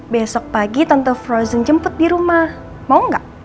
besok pagi tante frozen jemput di rumah mau nggak